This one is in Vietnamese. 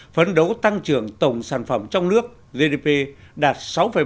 phấn đấu tăng trưởng tổng sản phẩm trong nước gdp đạt sáu bảy